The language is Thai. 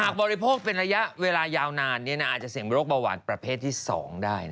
บริโภคเป็นระยะเวลายาวนานอาจจะเสี่ยงโรคเบาหวานประเภทที่๒ได้